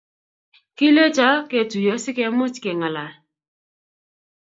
Kilecho ketuiye si kemuch ke ng'alal